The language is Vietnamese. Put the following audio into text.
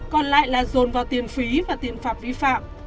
còn lại là dồn vào tiền phí và tiền phạt vi phạm